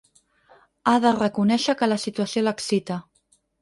Ha de reconèixer que la situació l'excita.